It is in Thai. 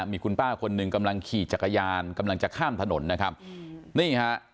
มีคุณป้าคนหนึ่งกำลังขี่จักรยานกำลังจะข้ามถนนนะครับนี่ฮะ